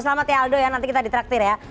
selamat ya aldo ya nanti kita ditraktir ya